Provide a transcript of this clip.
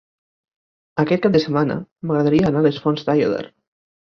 Aquest cap de setmana m'agradaria anar a les Fonts d'Aiòder.